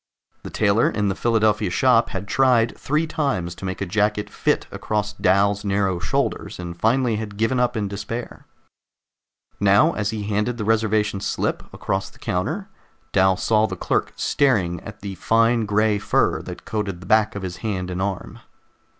The tailor in the Philadelphia shop had tried three times to make a jacket fit across Dal's narrow shoulders, and finally had given up in despair. Now, as he handed the reservation slip across the counter, Dal saw the clerk staring at the fine gray fur that coated the back of his hand and arm.